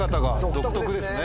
独特ですね。